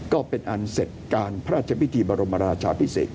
ก็เป็นอันเสร็จการพระราชพิธีบรมราชาพิเศษ